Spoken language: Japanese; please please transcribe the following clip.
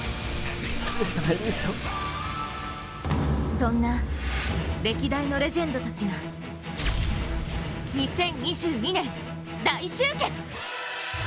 そんな歴代のレジェンドたちが２０２２年、大集結！